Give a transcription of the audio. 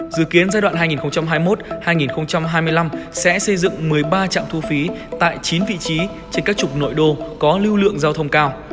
dự kiến giai đoạn hai nghìn hai mươi một hai nghìn hai mươi năm sẽ xây dựng một mươi ba trạm thu phí tại chín vị trí trên các trục nội đô có lưu lượng giao thông cao